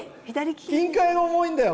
金塊が重いんだよ。